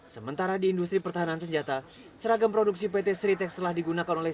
sementara di industri pertahanan senjata seragam produksi pt sritex telah digunakan oleh